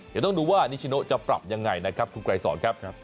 เดี๋ยวต้องดูว่านิชโนจะปรับยังไงนะครับคุณไกรสอนครับ